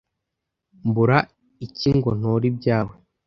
Mbura iki ngo ntore ibyawe?